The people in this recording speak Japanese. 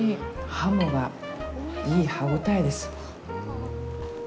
ハモがいい歯応えです。